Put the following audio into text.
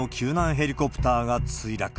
ヘリコプターが墜落。